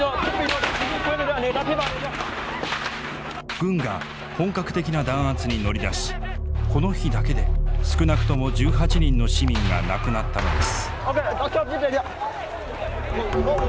軍が本格的な弾圧に乗り出しこの日だけで少なくとも１８人の市民が亡くなったのです。